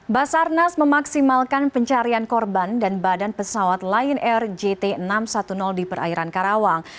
basarnas memaksimalkan pencarian korban dan badan pesawat lion air jt enam ratus sepuluh di perairan karawang